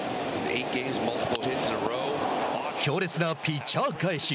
強烈なピッチャー返し。